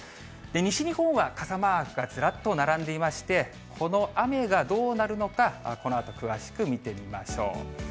西日本は傘マークがずらっと並んでいまして、この雨がどうなるのか、このあと詳しく見てみましょう。